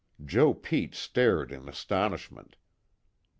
Joe Pete stared in astonishment.